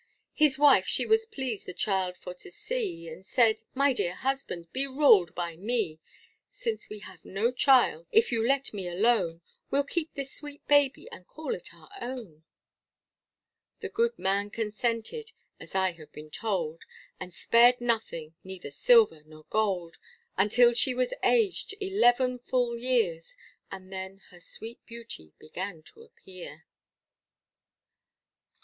His wife she was pleased the child for to see, And said, my dear husband, be ruled by me; Since we have no child, if you let me alone, We'll keep this sweet baby, and call it our own. The good man consented, as I have been told, And spared nothing neither silver nor gold; Until she was aged eleven full years, And then her sweet beauty began to appear.